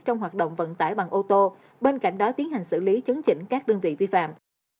trong hoạt động vận tải bằng ô tô bên cạnh đó tiến hành xử lý chấn chỉnh các đơn vị vi phạm